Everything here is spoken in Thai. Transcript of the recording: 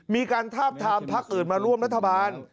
มีการทาบทามพักอื่นมาร่วมรัฐบาล